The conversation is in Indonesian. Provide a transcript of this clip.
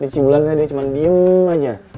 si bulan dia cuman diem aja